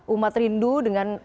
umat rindu dengan